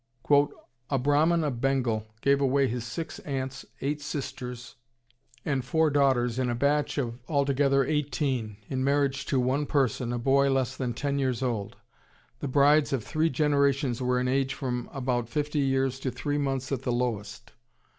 "A Brahmin of Bengal gave away his six aunts, eight sisters, and four daughters in a batch of altogether eighteen, in marriage to one person a boy less than ten years old. The brides of three generations were in age from about fifty years to three months at the lowest.